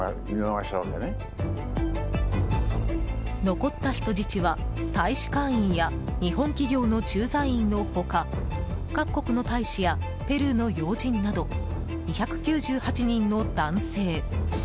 残った人質は大使館員や日本企業の駐在員の他各国の大使やペルーの要人など２９８人の男性。